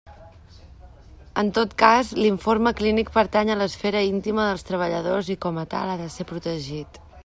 En tot cas, l'informe clínic pertany a l'esfera íntima dels treballadors i com a tal ha de ser protegit.